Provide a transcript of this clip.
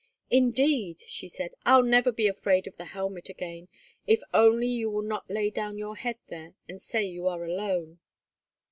"Indeed," she said, "I'll never be afraid of the helmet again, if only you will not lay down your head there, and say you are alone."